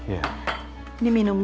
nanti gue mau ke rumah